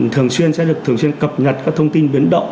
thường xuyên sẽ được thường xuyên cập nhật các thông tin biến động